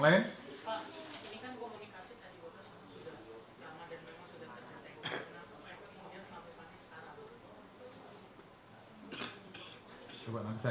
masih dalam analisa